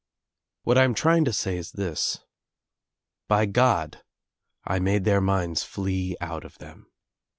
What I am trying to say is this — By God I made their minds flee out of them.